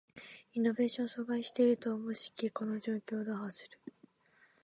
イノベーションを阻害していると思しきこの状況を打破する